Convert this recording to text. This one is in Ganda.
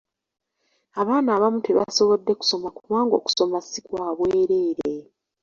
Abaana abamu tebasobodde kusoma kubanga okusoma si kwa bwereere.